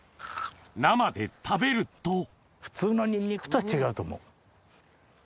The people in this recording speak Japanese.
生で食べると普通のニンニクとは違うと思う。